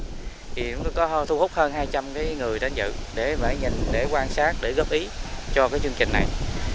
thì cũng có thu hút hơn hai trăm linh người đến dự để quan sát để góp ý cho chương trình này